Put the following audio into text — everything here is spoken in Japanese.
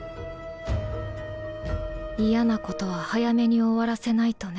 嫌なことは早めに終わらせないとね。